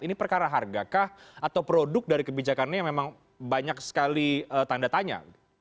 ini perkara harga kah atau produk dari kebijakannya yang memang banyak sekali tanda tanya